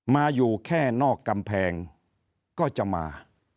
มาอยู่แค่นอกกำแพงก็จะมา